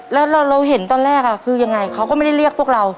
แล้วเราเห็นตอนแรกคือยังไงเขาก็ไม่ได้เรียกพวกเรา